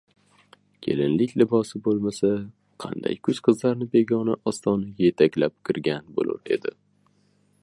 • Kelinlik libosi bo‘lmasa, qanday kuch qizlarni begona ostonaga yetaklab kirgan bo‘lur edi?